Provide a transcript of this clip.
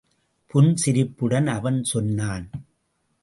புன்சிரிப்புடன் அவன் சொன்னான்.